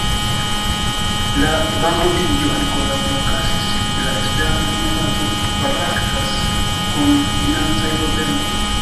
La bankrotiĝo ankoraŭ ne okazis, sed la Esperanto-movado baraktas kun financaj problemoj.